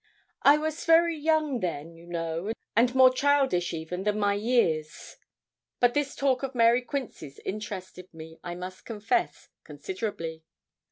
I was very young then, you know, and more childish even than my years; but this talk of Mary Quince's interested me, I must confess, considerably.